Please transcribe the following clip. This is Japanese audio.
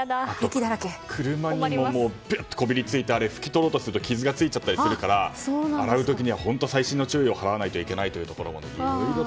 車にもこびりついて拭き取ろうとすると傷がついちゃったりするから洗う時には本当に細心の注意を払わないといけないと。